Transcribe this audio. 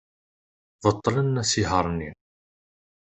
Beṭlen asihaṛ-nni.